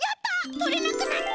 とれなくなった！